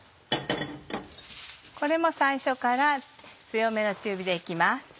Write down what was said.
これも最初から強めの中火で行きます。